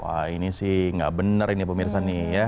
wah ini sih nggak benar ini pemirsa nih ya